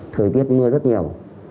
thời tiết mưa rất nhiều